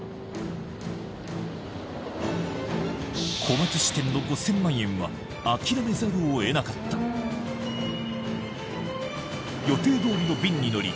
小松支店の５０００万円は諦めざるをえなかった予定どおりの便に乗り